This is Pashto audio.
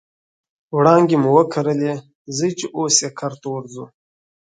وړانګې مو وکرلې ځي چې اوس یې کرته ورځو